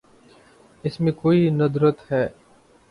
اس میں کوئی ندرت ہے۔